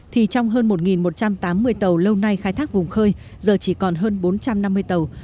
thì trong hơn một một trăm tám mươi tàu lâu nay khai thác vùng khơi giờ chỉ còn hơn bốn trăm năm mươi tàu